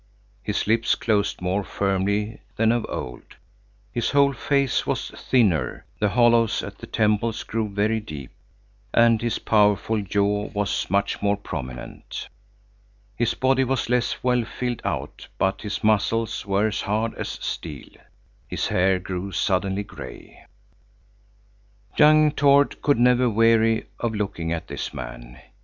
His lips closed more firmly than of old, his whole face was thinner, the hollows at the temples grew very deep, and his powerful jaw was much more prominent. His body was less well filled out but his muscles were as hard as steel. His hair grew suddenly gray. Young Tord could never weary of looking at this man.